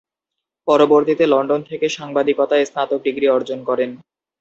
পরবর্তীতে লন্ডন থেকে সাংবাদিকতায় স্নাতক ডিগ্রী অর্জন করেন।